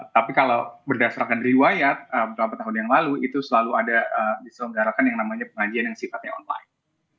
tapi kalau berdasarkan riwayat beberapa tahun yang lalu itu selalu ada diselenggarakan yang namanya pengajian yang sifatnya online